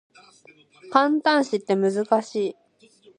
感嘆詞って難しい